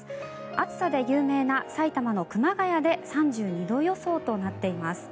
暑さで有名な埼玉の熊谷で３２度予想となっています。